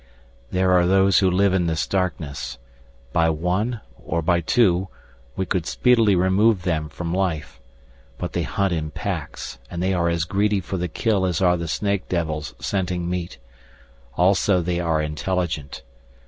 "There are those who live in this darkness. By one, or by two, we could speedily remove them from life. But they hunt in packs and they are as greedy for the kill as are the snake devils scenting meat. Also they are intelligent.